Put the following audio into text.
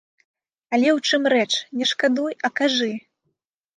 Але ў чым рэч, не шкадуй, а кажы.